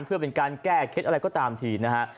เพื่อเป็นการแก้เคล็ดอะไรก็ตามทีนะฮะ